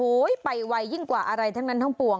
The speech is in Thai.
ไปไวยิ่งกว่าอะไรทั้งนั้นทั้งปวง